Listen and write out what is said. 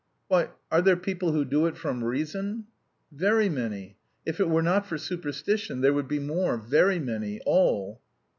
"Why, are there people who do it from reason?" "Very many. If it were not for superstition there would be more, very many, all."